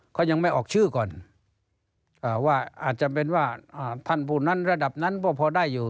เขายังไม่ออกชื่อก่อนว่าอาจจะเป็นว่าท่านผู้นั้นระดับนั้นก็พอได้อยู่